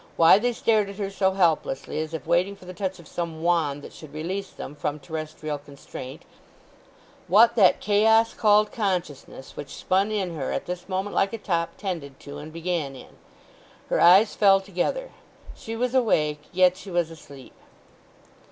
Why they stared at her so helplessly, as if waiting for the touch of some wand that should release them from terrestrial constraint; what that chaos called consciousness, which spun in her at this moment like a top, tended to, and began in. Her eyes fell together; she was awake, yet she was asleep.